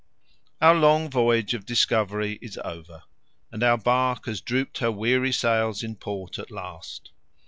Our long voyage of discovery is over and our bark has drooped her weary sails in port at last.